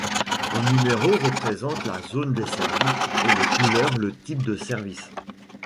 Les numéros représentent la zone desservie et les couleurs le type de service.